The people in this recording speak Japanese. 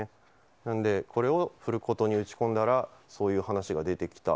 なので、これをフルコトに打ち込んだらそういう話が出てきた。